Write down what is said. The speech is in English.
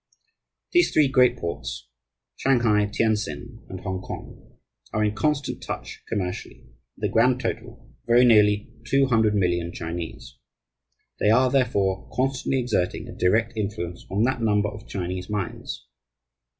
These three great ports Shanghai, Tientsin, and Hongkong are in constant touch commercially with a grand total of very nearly 200,000,000 Chinese. They are, therefore, constantly exerting a direct influence on that number of Chinese minds.